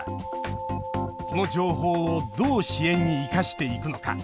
この情報をどう支援に生かしていくのか。